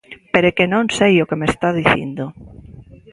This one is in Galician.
Pero é que non sei o que me está dicindo.